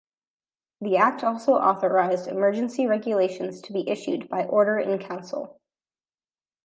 The Act also authorised emergency regulations to be issued by Order in Council.